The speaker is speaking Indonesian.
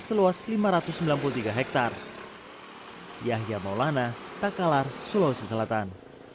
seluas lima ratus sembilan puluh tiga hektare yahya maulana takalar sulawesi selatan